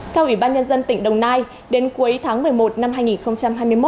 theo ủy ban nhân dân tp hcm đến cuối tháng một mươi một năm hai nghìn hai mươi một